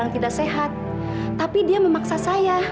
tidak ada penerimaan